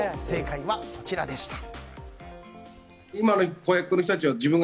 正解はこちらです。